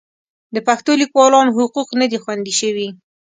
د پښتو لیکوالانو حقوق نه دي خوندي شوي.